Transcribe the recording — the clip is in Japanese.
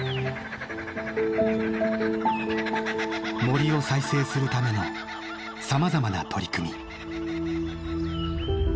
森を再生するためのさまざまな取り組み。